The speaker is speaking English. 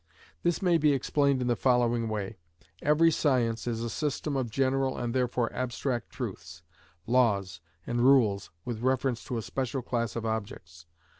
This may be explained in the following way. Every science is a system of general and therefore abstract truths, laws, and rules with reference to a special class of objects.